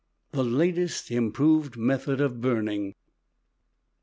THE LATEST IMPROVED METHOD OF BURNING.